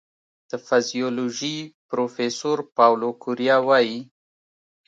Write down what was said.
د فزیولوژي پروفېسور پاولو کوریا وايي